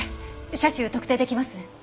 車種特定出来ます？